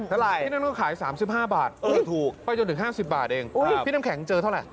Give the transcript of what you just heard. ที่นั่นก็ขาย๓๕บาทถูกไปจนถึง๕๐บาทเองพี่น้ำแข็งเจอเท่าไหร่